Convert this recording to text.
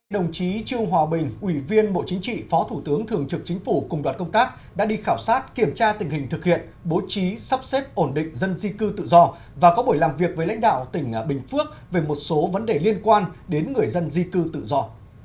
đồng chí trương hòa bình ủy viên bộ chính trị phó thủ tướng thường trực chính phủ cùng đoàn công tác đã đi khảo sát kiểm tra tình hình thực hiện bố trí sắp xếp ổn định dân di cư tự do và có buổi làm việc với lãnh đạo tỉnh bình phước về một số vấn đề liên quan đến người dân di cư tự do